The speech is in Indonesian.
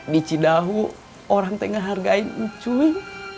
dici dahulu orang tengah hargain cuy